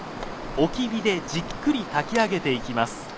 おき火でじっくり炊き上げていきます。